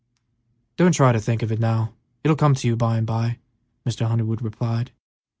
"Don't try to think now; it will come to you by and by," Mr. Underwood replied.